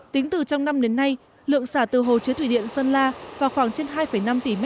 tính từ trong năm đến nay lượng xả từ hồ chứa thủy điện sơn la vào khoảng trên hai năm tỷ m hai